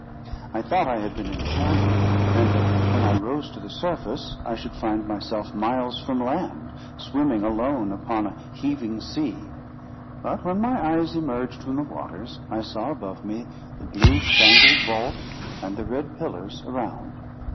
I thought I had been enchanted; and that when I rose to the surface, I should find myself miles from land, swimming alone upon a heaving sea; but when my eyes emerged from the waters, I saw above me the blue spangled vault, and the red pillars around.